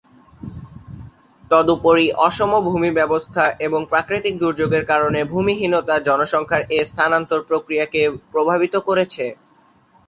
তদুপরি, অসম ভূমিব্যবস্থা এবং প্রাকৃতিক দুর্যোগের কারণে ভূমিহীনতা জনসংখ্যার এ স্থানান্তর প্রক্রিয়াকে প্রভাবিত করেছে।